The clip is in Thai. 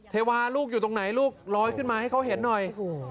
เทวาลูกอยู่ตรงไหนลูกลอยขึ้นมาให้เขาเห็นหน่อย